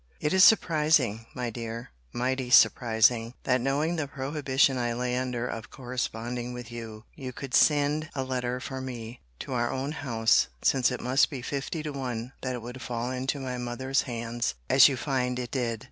[It is surprising, my dear, mighty surprising! that knowing the prohibition I lay under of corresponding with you, you could send a letter for me to our own house: since it must be fifty to one that it would fall into my mother's hands, as you find it did.